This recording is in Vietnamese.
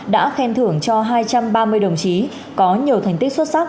đã khen thưởng cho hai trăm ba mươi đồng chí có nhiều thành tích xuất sắc